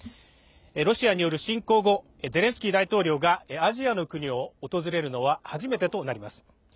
ロシアによる侵攻後ゼレンスキー大統領がアジアの国を訪れるのは初めてとなります。